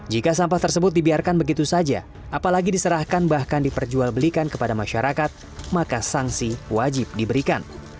jika sampah tersebut dibiarkan begitu saja apalagi diserahkan bahkan diperjual belikan kepada masyarakat maka sanksi wajib diberikan